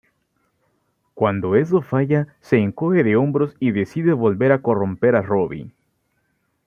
Cuando eso falla, se encoge de hombros y decide volver a corromper a Robbie.